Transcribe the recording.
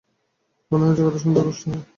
মনে হচ্ছে কথা শুনতে কষ্ট হয়।